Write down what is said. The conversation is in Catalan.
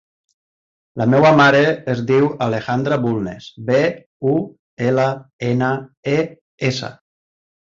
La meva mare es diu Alejandra Bulnes: be, u, ela, ena, e, essa.